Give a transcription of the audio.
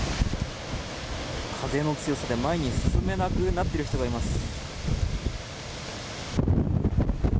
風の強さで前に進めなくなっている人がいます。